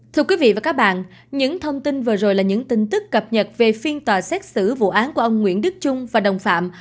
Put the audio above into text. thưa quý vị và các bạn những thông tin vừa rồi là những tin tức cập nhật về phiên tòa xét xử vụ án của ông nguyễn đức trung và đồng phạm